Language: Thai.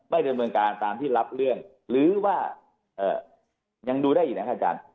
ดำเนินการตามที่รับเรื่องหรือว่ายังดูได้อีกนะครับอาจารย์